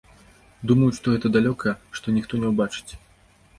Думаюць, што гэта далёка, што ніхто не ўбачыць.